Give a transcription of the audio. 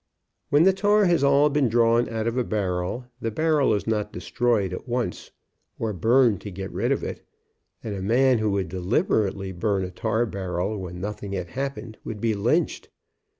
When the tar has all been drawn out of a barrel, the barrel is not destroyed at once, or burned to get rid of it, and a man who would deliberately burn a tar barrel when nothing had happened would be lynched.